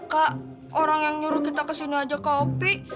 kak orang yang nyuruh kita kesini aja kak opi